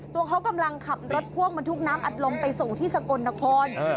ตัวเขากำลังขับรถพ่วงบรรทุกน้ำอัดลมไปส่งที่สกลนคร